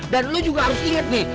dan lo juga harus inget nih